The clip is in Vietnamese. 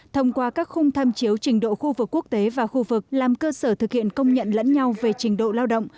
thông qua các khung tham chiếu trình độ khu vực quốc tế và khu vực làm cơ sở thực hiện công nhận lẫn nhau về trình độ lao động